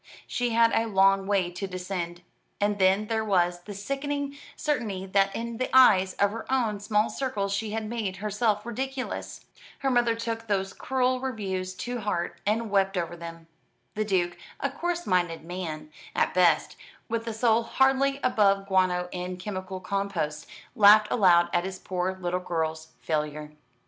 She had a long way to descend. And then there was the sickening certainty that in the eyes of her own small circle she had made herself ridiculous. Her mother took those cruel reviews to heart, and wept over them. The Duke, a coarse minded man, at best, with a soul hardly above guano and chemical composts, laughed aloud at his poor little girl's failure.